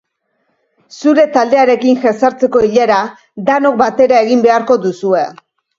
Zure taldearekin jesartzeko ilara danok batera egin beharko duzue.